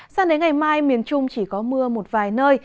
sang đến ngày mai miền trung chỉ có mưa một vài nơi